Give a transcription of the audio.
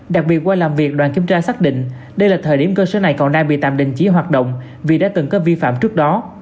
đặc biệt qua làm việc đoàn kiểm tra xác định đây là thời điểm cơ sở này còn đang bị tạm đình chỉ hoạt động vì đã từng có vi phạm trước đó